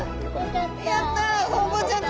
やった！